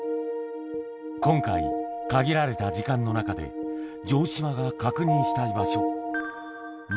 今回、限られた時間の中で、城島が確認したい場所。